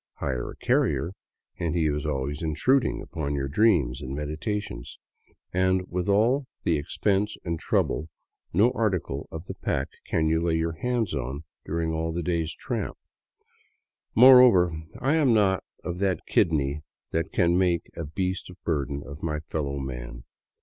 Hire a carrier and he is always intruding upon your dreams and meditations, and with all the expense and trouble no article of the pack can you lay hands on during all the day's tramp. Moreover, I am not of that kidney that can make a beast of burden of my fellow man.